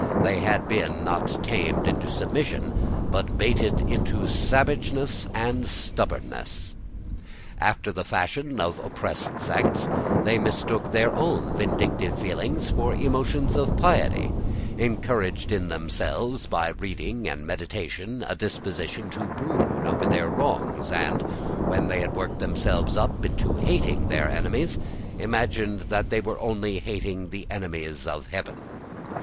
They had been, not tamed into submission, but baited into savageness and stubborness. After the fashion of oppressed sects, they mistook their own vindictive feelings for emotions of piety, encouraged in themselves by reading and meditation, a disposition to brood over their wrongs, and, when they had worked themselves up into hating their enemies, imagined that they were only hating the enemies of heaven.